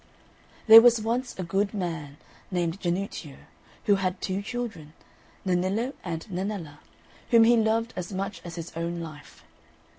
There was once a good man named Jannuccio, who had two children, Nennillo and Nennella, whom he loved as much as his own life.